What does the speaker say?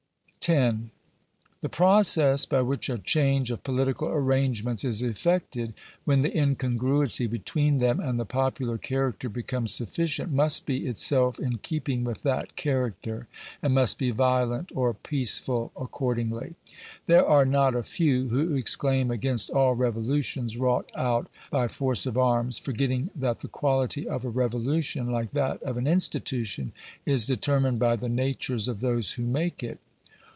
§ 10. The process by which a change of political arrangements is effected, when the incongruity between them and the popular character becomes sufficient, must be itself in keeping with that character, and must be violent or peaceful accordingly. There are not a few who exclaim against all revolutions wrought out *" Three Ytari Cruize in the Mozambique Channel." Digitized by VjOOQIC 432 GENERAL CONSIDERATIONS. by force of arms, forgetting that the quality of a revolution, like that of an institution, is determined by the natures of those who make it.